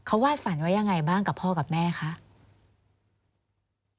เขาวาดฝันว่ายังไงบ้างกับพ่อกับแม่คะ